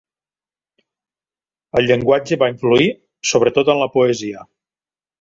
El llenguatge va influir, sobretot en la poesia.